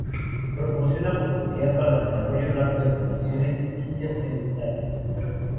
Proporciona potencial para desarrollo rápido de versiones incrementales.